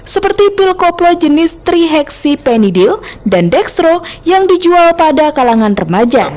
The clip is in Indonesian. seperti pil koplo jenis trihexi penidil dan dextro yang dijual pada kalangan remaja